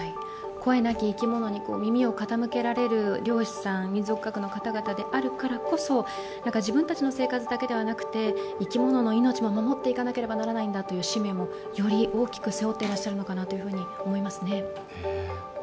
声なき生き物に耳を傾けられる漁師さん、民俗学の方々であるからこそ自分たちの生活だけではなくて生き物の命も守っていかなければならないんだという使命もより多く背負っていらっしゃるんだと思いますね。